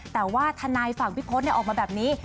แต่ว่าทนายฝั่งพี่พศออกมาแบบนี้